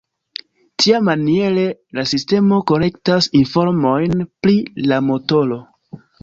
Tiamaniere la sistemo kolektas informojn pri la motoro.